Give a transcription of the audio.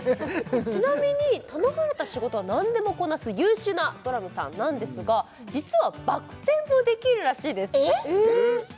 ちなみに頼まれた仕事は何でもこなす優秀なドラムさんなんですが実はバク転もできるらしいです・えっ！？